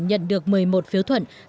nhận được một mươi một phiếu thuận